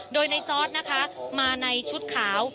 โดยในจอร์ดนะคะมาในชุดขาว